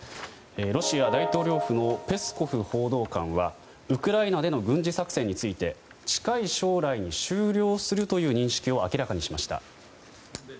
ロシア大統領府のペスコフ報道官はウクライナでの軍事作戦について近い将来に終了するという認識を明らかにしました。